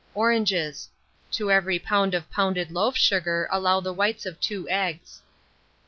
Oranges; to every lb. of pounded loaf sugar allow the whites of 2 eggs.